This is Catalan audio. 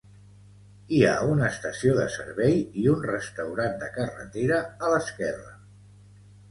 Hi ha una estació de servei i un restaurant de carretera a l'esquerra.